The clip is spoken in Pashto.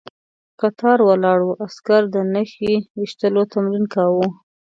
کتار ولاړو عسکرو د نښې ويشتلو تمرين کاوه.